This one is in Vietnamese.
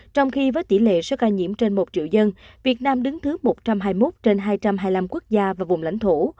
trong khi với tỷ lệ số ca nhiễm trên một triệu dân việt nam đứng thứ một trăm hai mươi một trên hai trăm hai mươi năm quốc gia và vùng lãnh thổ